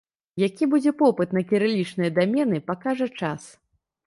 Які будзе попыт на кірылічныя дамены, пакажа час.